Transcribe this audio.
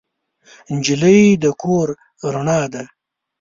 نجلۍ د کور رڼا ده.